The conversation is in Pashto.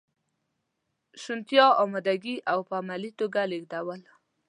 شونتیا، امادګي او په عملي توګه لیږدول.